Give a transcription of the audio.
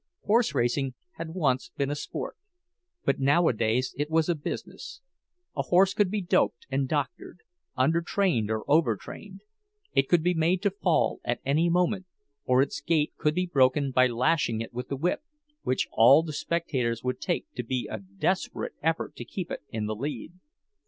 Horse racing had once been a sport, but nowadays it was a business; a horse could be "doped" and doctored, undertrained or overtrained; it could be made to fall at any moment—or its gait could be broken by lashing it with the whip, which all the spectators would take to be a desperate effort to keep it in the lead.